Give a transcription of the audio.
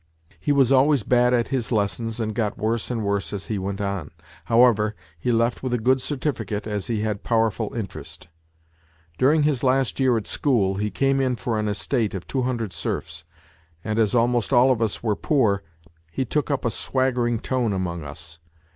He was always bad at his lessons and got worse and worse as he went on ; however, he left with a good certificate, as he had powerful interest. During his last year at school. he came in for an estate of tw r o hundred serfs, and as almost all of us were poor he took up a swaggering tone among us.